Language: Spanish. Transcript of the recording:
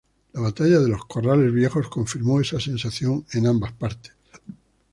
La batalla de los Corrales Viejos confirmó esa sensación en ambas partes.